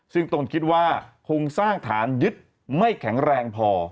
ซึ่งตนคิดว่าโครงสร้างฐานยึดไม่แข็งแรงพอ